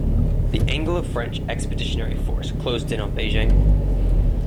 The Anglo-French expeditionary force closed in on Beijing.